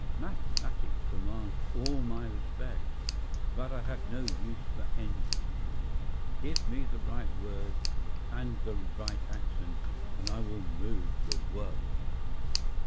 Mathematics commands all my respect, but I have no use for engines. Give me the right word and the right accent and I will move the world.